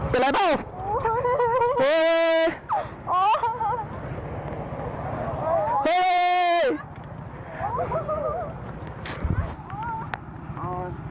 เป็นอะไรเปล่า